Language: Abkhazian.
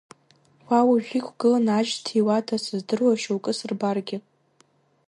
Уа уажә иқәгыланы ажь зҭиуада, сыздыруа шьоукы сырбаргьы.